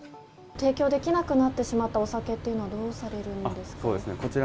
提供できなくなってしまったお酒っていうのはどうされるんですか？